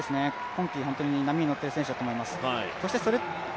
今季本当に波に乗っている選手だと思います。